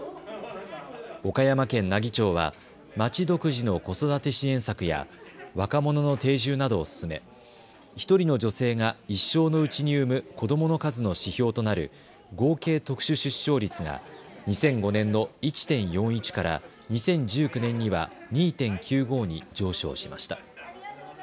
岡山県奈義町は町独自の子育て支援策や若者の定住などを進め１人の女性が一生のうちに産む子どもの数の指標となる合計特殊出生率が２００５年の１．４１から２０１９年には２．９５に上昇しました。